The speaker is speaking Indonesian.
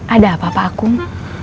ada apa pak akung